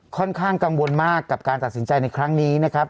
ค่อนข้างกังวลมากกับการตัดสินใจในครั้งนี้นะครับ